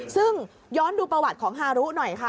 ซึ่งย้อนดูประวัติของฮารุหน่อยค่ะ